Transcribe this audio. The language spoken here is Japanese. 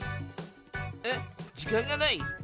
えっ時間がない？